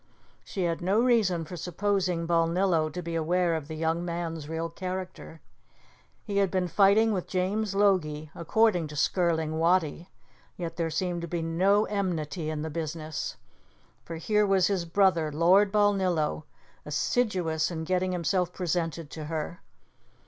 She had no reason for supposing Balnillo to be aware of the young man's real character. He had been fighting with James Logie, according to Skirling Wattie, yet there seemed to be no enmity in the business, for here was his brother, Lord Balnillo, assiduous in getting himself presented to her.